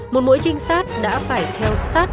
một mỗi trinh sát đã phải theo sát